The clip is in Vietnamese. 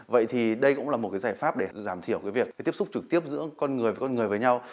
vậy thì đây cũng là một cái giải pháp để giảm thiểu cái việc tiếp xúc trực tiếp giữa con người với con người với nhau